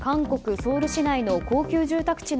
ソウル市内の高級住宅地の